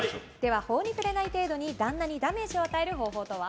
法に触れない程度に旦那にダメージを与える方法とは。